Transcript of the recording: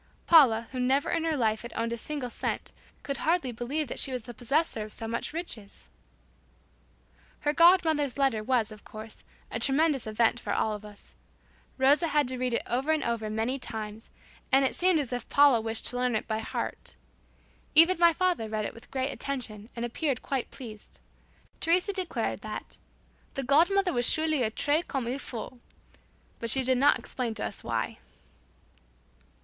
Paula, who never in her life had owned a single cent, could hardly believe that she was the possessor of so much riches! Her godmother's letter was, of course, a tremendous event for all of us. Rosa had to read it over and over many times, and it seemed as if Paula wished to learn it by heart. Even my father read it with great attention and appeared quite pleased. Teresa declared that "The god mother was surely a 'très comme il faut,'" but she did not explain to us why.